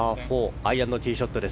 アイアンのティーショットです。